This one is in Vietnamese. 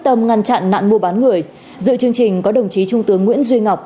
tâm ngăn chặn nạn mua bán người dựa chương trình có đồng chí trung tướng nguyễn duy ngọc